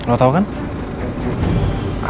kenapa montret baiknya kita